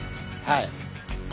はい。